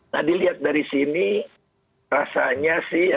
nah dilihat dari sini rasanya sih